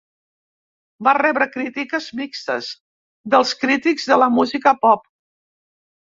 Va rebre crítiques mixtes dels crítics de la música pop.